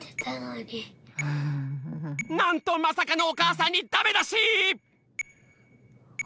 なんとまさかのおかあさんにダメだし！